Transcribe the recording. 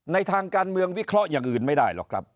ทางการเมืองวิเคราะห์อย่างอื่นไม่ได้หรอกครับ